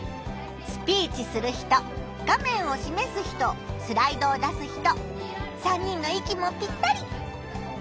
スピーチする人画面をしめす人スライドを出す人３人の息もぴったり！